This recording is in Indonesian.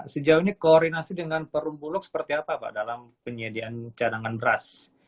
sejauh ini koordinasi dengan perumbulok seperti apa pak dalam penyediaan cadangan beras